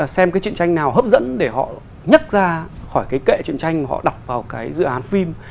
xem cái truyền tranh nào hấp dẫn để họ nhắc ra khỏi cái kệ truyền tranh mà họ đọc vào cái dự án phim